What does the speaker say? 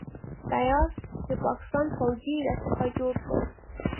تيار د پاکستان فوجي يې را څخه جوړ کړ.